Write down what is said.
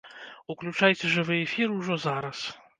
Уключайце жывы эфір ужо зараз!